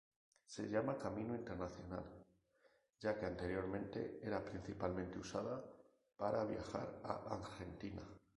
Se llama Camino Internacional ya que anteriormente era principalmente usada para viajar a Argentina.